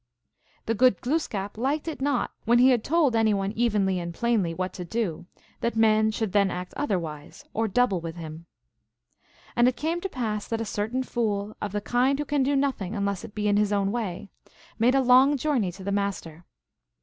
The good Glooskap liked it not that when he had told any one evenly and plainly what to do, that man should then act otherwise, or double with him. And it came to pass that a certain fool, of the kind who can do nothing unless it be in his own way, made a long journey to the Master.